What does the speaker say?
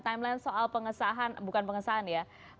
timeline soal pengesahan bukan pengesahan ya